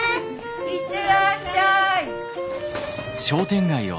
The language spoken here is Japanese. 行ってらっしゃい。